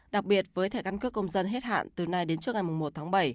đặc biệt với thẻ căn cước công dân hết hạn từ nay đến trước ngày một tháng bảy